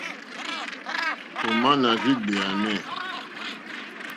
Ò má nà rzéyé ɡbèànè.